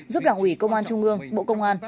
giúp đảng ủy công an trung ương bộ công an